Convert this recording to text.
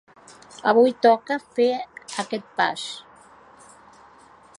Avui toca fer aquest pas.